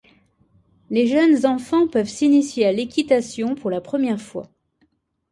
Les jeunes enfants peuvent s'initier à l'équitation pour la première fois.